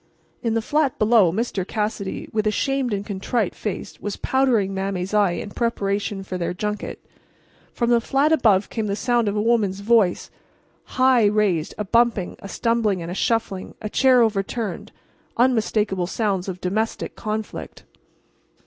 In the flat below Mr. Cassidy, with a shamed and contrite face was powdering Mame's eye in preparation for their junket. From the flat above came the sound of a woman's voice, high raised, a bumping, a stumbling and a shuffling, a chair overturned—unmistakable sounds of domestic conflict.